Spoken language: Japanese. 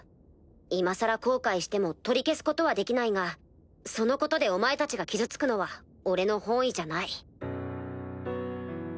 今更後悔しても取り消すことはできないがそのことでお前たちが傷つくのは俺の本意じゃない。